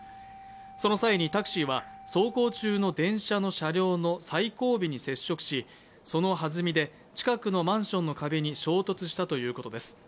その際にタクシーは走行中の電車の車両の最後尾に接触し、そのはずみで近くのマンションの壁に衝突したということです。